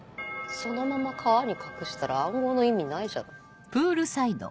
そのまま川に隠したら暗号の意味ないじゃない。